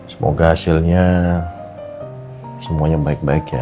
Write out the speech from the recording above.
semoga hasilnya semuanya baik baik ya